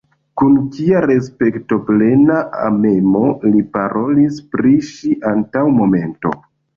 Kun kia respektoplena amemo li parolis pri ŝi antaŭ momento.